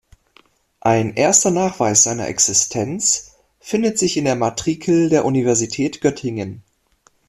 Ein erster Nachweis seiner Existenz findet sich in der Matrikel der Universität Göttingen.